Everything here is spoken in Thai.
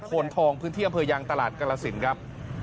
โพนทองพื้นที่อำเภอยางตลาดกรสินครับ